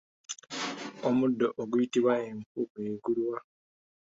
Omuddo oguyitibwa empu gwe guliwa?